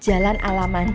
jalan alamanda lima